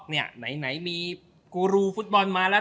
ไหนมีกูรูฟุตบอลมาแล้ว